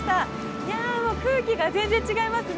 いやもう空気が全然違いますね。